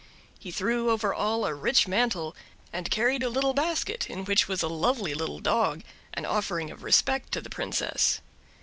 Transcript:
He threw over all a rich mantle, and carried a little basket, in which was a lovely little dog, an offering of respect to the Princess.